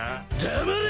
黙れ！